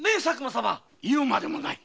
言うまでもない。